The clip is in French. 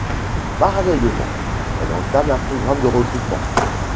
Parallèlement, elle entame un programme de recrutement.